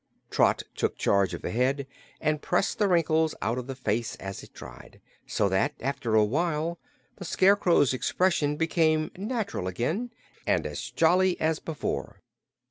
Trot took charge of the head and pressed the wrinkles out of the face as it dried, so that after a while the Scarecrow's expression became natural again, and as jolly as before.